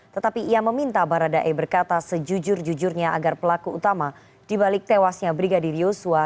tetapi ia meminta baradae berkata sejujur jujurnya agar pelaku utama dibalik tewasnya brigadir yosua